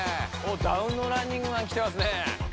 ダウンのランニングマンきてますね。